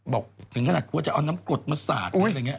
บอกอย่างขนาดกลัวว่าจะเอาน้ำกรดมาสาด